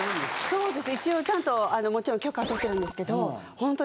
そうです。